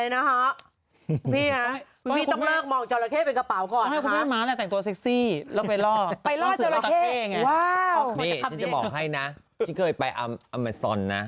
นี่ฉันจะบอกให้นะที่เคยไปอเมซอนนะ